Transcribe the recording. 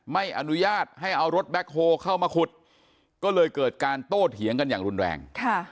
ไม่อนุญาตให้เอารถแบ็คโฮเข้ามาขุดก็เลยเกิดการโต้เถียงกันอย่างรุนแรง